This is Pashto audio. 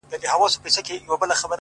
دغه د اور ځنځير ناځوانه ځنځير;